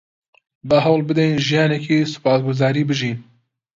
با هەوڵ بدەین ژیانێکی سوپاسگوزاری بژین.